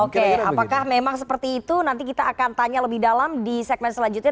oke apakah memang seperti itu nanti kita akan tanya lebih dalam di segmen selanjutnya